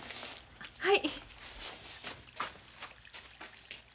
はい。